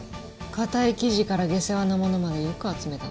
堅い記事から下世話なものまでよく集めたな。